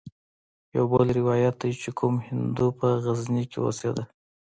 يو بل روايت ديه چې کوم هندو په غزني کښې اوسېده.